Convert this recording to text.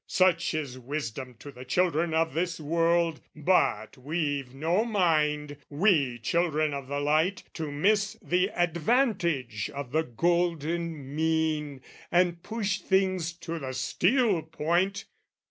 Such "Is wisdom to the children of this world; "But we've no mind, we children of the light, "To miss the advantage of the golden mean, "And push things to the steel point."